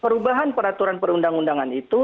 perubahan peraturan perundang undangan itu